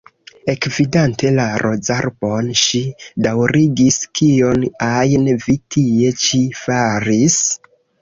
Ekvidante la rozarbon, ŝi daŭrigis: "Kion ajn vi tie ĉi faris?"